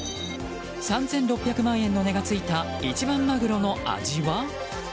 ３６００万円の値がついた一番マグロの味は？